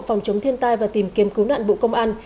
phòng chống thiên tai và tìm kiếm cứu nạn bộ công an